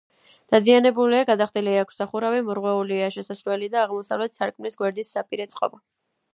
დაზიანებულია: გადახდილი აქვს სახურავი, მორღვეულია შესასვლელისა და აღმოსავლეთ სარკმლის გვერდის საპირე წყობა.